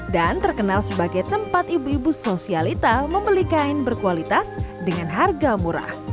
dan terkenal sebagai tempat ibu ibu sosialita membeli kain berkualitas dengan harga murah